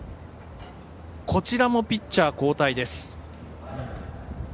こちらもピッチャー交代です。